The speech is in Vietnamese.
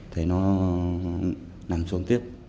thấy nó nằm xuống tiếp